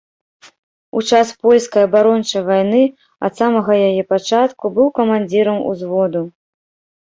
У час польскай абарончай вайны ад самага яе пачатку, быў камандзірам узводу.